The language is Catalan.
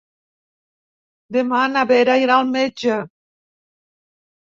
Demà na Vera irà al metge.